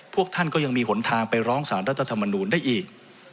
พวกท่านก็ยังมีหนทางไปร้องสารรัฐธรรมนูลได้อีก